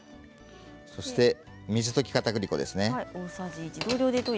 そして水溶きかたくり粉です。